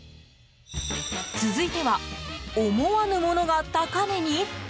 続いては、思わぬものが高値に。